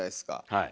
はい。